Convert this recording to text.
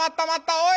おい！